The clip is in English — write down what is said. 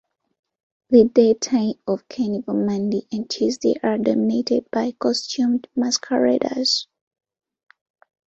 The daytime of Carnival Monday and Tuesday are dominated by costumed masqueraders.